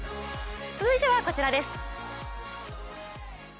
続いては、こちらです。